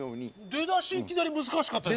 出だしいきなり難しかったです。